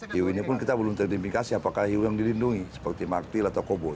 hiu ini pun kita belum terindikasi apakah hiu yang dilindungi seperti martil atau koboi